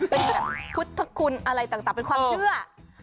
เป็นแบบพุทธคุณอะไรต่างเป็นความเชื่อ